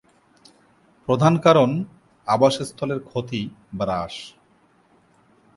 প্রধান কারণ, আবাসস্থলের ক্ষতি বা হ্রাস।